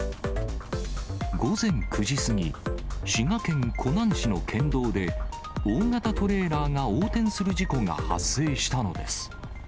午前９時過ぎ、滋賀県湖南市の県道で、大型トレーラーが横転する事故が発生したのです。